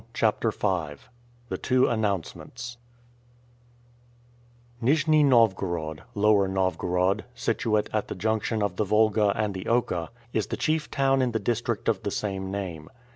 CHAPTER V THE TWO ANNOUNCEMENTS NIJNI NOVGOROD, Lower Novgorod, situate at the junction of the Volga and the Oka, is the chief town in the district of the same name.